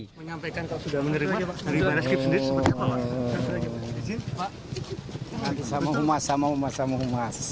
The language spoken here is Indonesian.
menyampaikan kalau sudah menerima dari baris ke sendiri